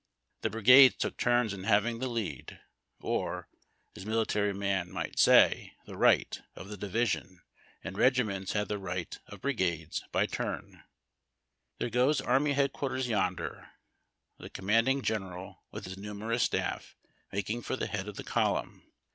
The brigades took turns in having the lead — or, as mili tary men say, the right — of the division, and regiments had the right of brigades by turns. There goes army headquarters yonder — the command ing general, with his numerous staff — making for the head of the column.